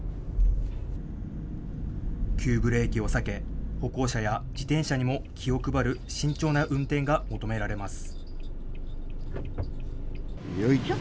急ブレーキを避け歩行者や自転車にも気を配る慎重な運転が求められます。